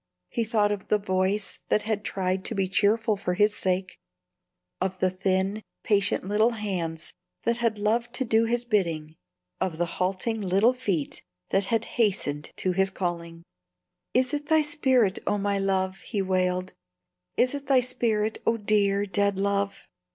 He thought of the voice that had tried to be cheerful for his sake, of the thin, patient little hands that had loved to do his bidding, of the halting little feet that had hastened to his calling. "Is it thy spirit, O my love?" he wailed, "Is it thy spirit, O dear, dead love?"